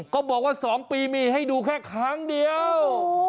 บอกว่า๒ปีมีให้ดูแค่ครั้งเดียว